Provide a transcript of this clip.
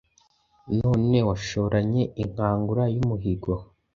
None washoranye inkangura yumuhigo